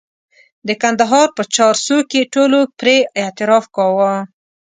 د کندهار په چارسو کې ټولو پرې اعتراف کاوه.